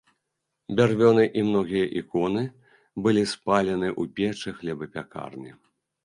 Бярвёны і многія іконы былі спалены ў печы хлебапякарні.